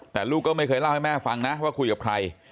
แต่ลูกก็ไม่เคยเล่าให้แม่ฟังนะว่าคุยกับใคร